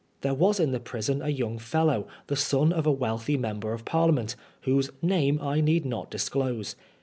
There was in tiie prison a young fellow, the son of a wealthy member of Parliament, whose name I need not disclose.